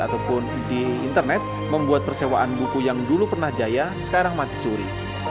ataupun di internet membuat persewaan buku yang dulu pernah jaya sekarang mati suri